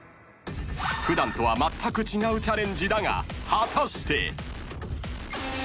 ［普段とはまったく違うチャレンジだが果たして］